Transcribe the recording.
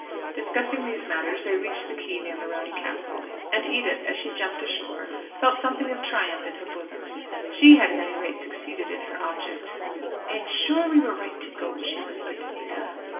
Discussing these matters they reached the quay near Morony Castle, and Edith as she jumped ashore felt something of triumph in her bosom. She had at any rate succeeded in her object. "I am sure we were right to go," she whispered to Ada.